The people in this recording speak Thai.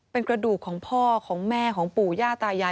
เป็นกระดูกของพ่อของแม่ของปู่ย่าตายาย